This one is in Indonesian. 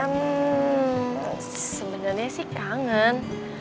ehm sebenernya sih kangen